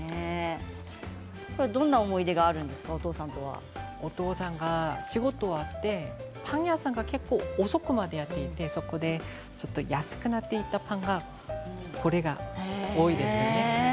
お父さんとのお父さんが仕事が終わって、パン屋さんが遅くまでやっていてそこで安くなっていたパンがこれが多いですね。